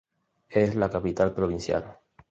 Es la capital provincial.